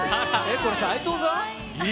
これ、齋藤さん？